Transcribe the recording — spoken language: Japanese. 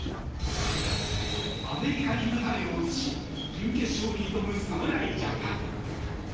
アメリカに舞台を移し準決勝に挑む侍ジャパン。